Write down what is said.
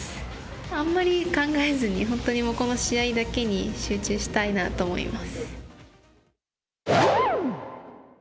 あんまり考えずに、本当にこの試合だけに集中したいなと思います。